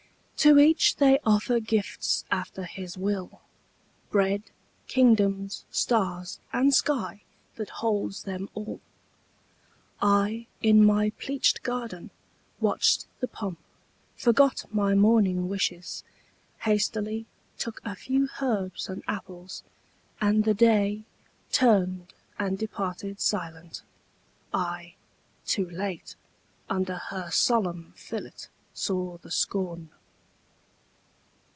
To each they offer gifts after his will, Bread, kingdoms, stars, and sky that holds them all. I, in my pleached garden, watched the pomp, Forgot my morning wishes, hastily Took a few herbs and apples, and the Day Turned and departed silent. I, too late, Under her solemn fillet saw the scorn.